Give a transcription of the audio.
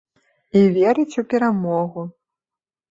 І верыць у перамогу.